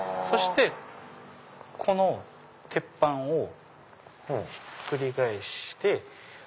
そしてこの鉄板をひっくり返して。